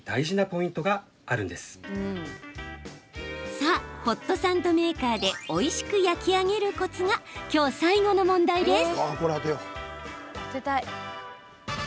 さあ、ホットサンドメーカーでおいしく焼き上げるコツがきょう最後の問題です。